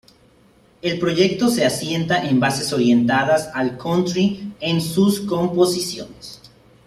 El proyecto se asienta en bases orientadas al country en sus composiciones.